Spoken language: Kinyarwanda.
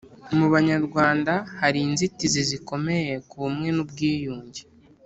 mu Banyarwanda hari inzitizi zikomeye ku bumwe n ubwiyunge